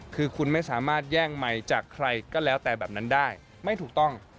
คือคุณไม่สามารถแย่งไมค์จากใครก็แล้วแต่แบบนั้นได้ไม่ถูกต้อง